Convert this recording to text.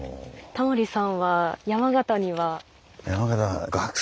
タモリさんは山形には。